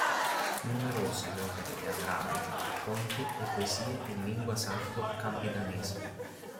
Numerose le opere teatrali, racconti e poesie in lingua sardo campidanese.